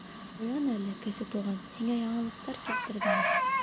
Уян әле, Кесе Туған, һиңә яңылыҡтар килтерҙем мин.